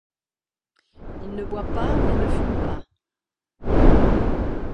Il ne boit pas et ne fume pas.